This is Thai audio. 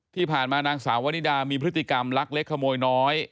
ที่ผ่านมานางสาววนิดามีพฤติกรรมลักเล็กขโมยน้อย